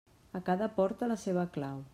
A cada porta, la seva clau.